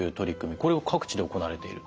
これは各地で行われていると？